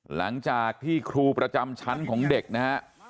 หลังจากที่ครูประจำชั้นของเด็กนะฮะ